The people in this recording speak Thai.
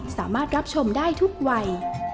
สามารถรับชมได้ทุกวัย